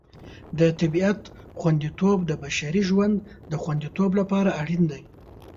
د طبیعت خوندیتوب د بشري ژوند د خوندیتوب لپاره اړین دی.